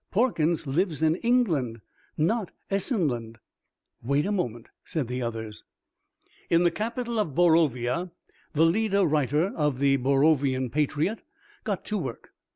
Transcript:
"Porkins lives in England, not Essenland_." "Wait a moment," said the others.) In the capital of Borovia the leader writer of the "Borovian Patriot" got to work.